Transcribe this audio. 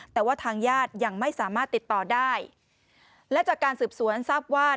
แต่ว่าทางญาติยังไม่สามารถติดต่อได้และจากการสืบสวนทราบว่า